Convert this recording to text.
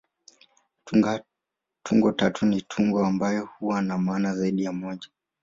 Tungo tata ni tungo ambayo huwa na maana zaidi ya moja.